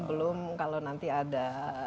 belum kalau nanti ada